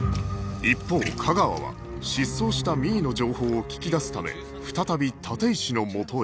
一方架川は失踪した美依の情報を聞き出すため再び立石のもとへ